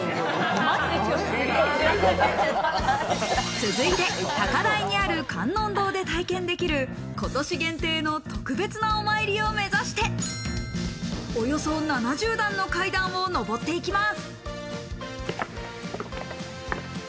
続いて、高台にある観音堂で体験できる今年限定の特別なお参りを目指して、およそ７０段の階段を上っていきます。